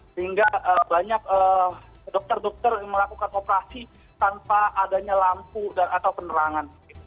sehingga banyak dokter dokter yang melakukan operasi tanpa adanya lampu atau penerangan